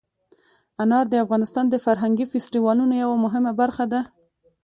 انار د افغانستان د فرهنګي فستیوالونو یوه مهمه برخه ده.